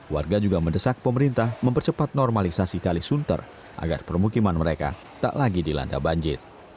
warga juga mendesak pemerintah mempercepat normalisasi kalisunter agar permukiman mereka tak lagi dilanda banjir